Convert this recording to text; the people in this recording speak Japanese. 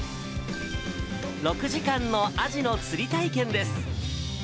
６時間のアジの釣り体験です。